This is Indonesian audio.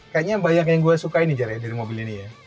kayaknya banyak yang gue suka ini jarang ya dari mobil ini ya